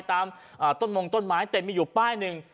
ตามต้นมงต้นไม้แต่มีอยู่ป้ายหนึ่ง